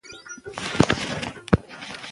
هغه ځان نیکمرغه باله.